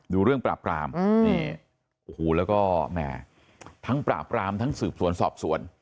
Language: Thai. ดูเรื่องปราบรามแล้วก็ทั้งปราบรามทั้งสืบสวนสอบสวน